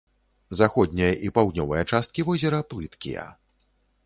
Заходняя і паўднёвая часткі возера плыткія.